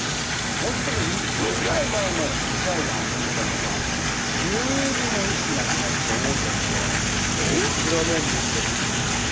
本当、１分ぐらい前まではしゃいで遊んでたのが急に意識なくなっておう吐して白目むいてっていう状況。